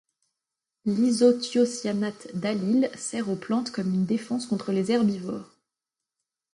L'isothiocyanate d'allyle sert aux plantes comme une défense contre les herbivores.